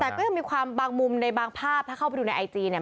แต่ก็ยังมีความบางมุมในบางภาพถ้าเข้าไปดูในไอจีเนี่ย